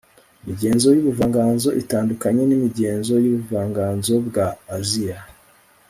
imigenzo yubuvanganzo itandukanye n'imigenzo yubuvanganzo bwa aziya